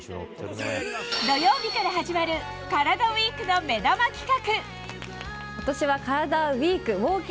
土曜日から始まるカラダＷＥＥＫの目玉企画。